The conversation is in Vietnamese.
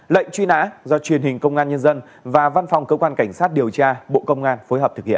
lệnh truy nã do truyền hình công an nhân dân và văn phòng cơ quan cảnh sát điều tra bộ công an phối hợp thực hiện